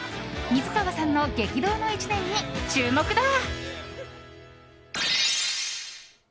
水川さんの激動の１年に注目だ。